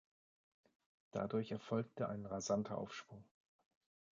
Dadurch erfolgte ein rasanter Aufschwung.